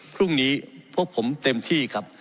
พรุ่งนี้พวกผมเต็มที่ครับ